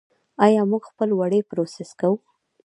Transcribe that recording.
آیا موږ خپل وړۍ پروسس کوو؟